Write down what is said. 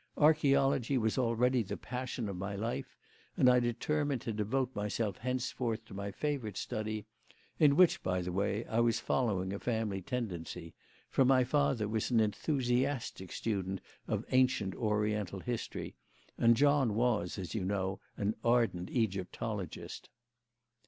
Archaeology was already the passion of my life, and I determined to devote myself henceforth to my favourite study, in which, by the way, I was following a family tendency; for my father was an enthusiastic student of ancient Oriental history, and John was, as you know, an ardent Egyptologist.